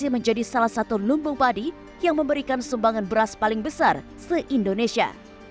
menjadi salah satu lumbung padi yang memberikan sumbangan beras paling besar se indonesia